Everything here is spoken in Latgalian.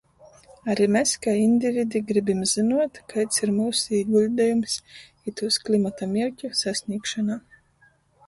Ari mes kai individi gribim zynuot, kaids ir myusu īguļdejums itūs klimata mierķu sasnīgšonā.